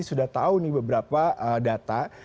sudah tahu nih beberapa data